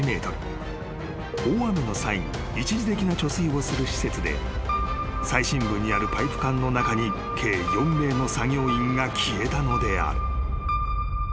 ［大雨の際に一時的な貯水をする施設で最深部にあるパイプ管の中に計４名の作業員が消えたのである］